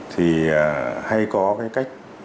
thì hay có các quyền tự do báo chí tự do ngôn luận